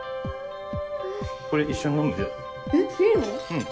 うん。